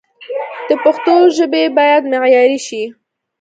د پښتو ژبه باید معیاري شي